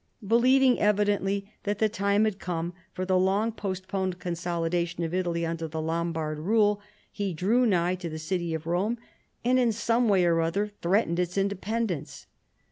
Eelieving evidently that the time had come for the long postponed consolidation of Italy under the Lombard rule, he drew nigh to the city of Rome, and in some way or other threat ened its independence.